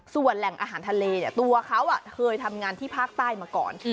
ส่วนแหล่งอาหารทะเลเนี่ยตัวเขาเคยทำงานที่ภาคใต้มาก่อน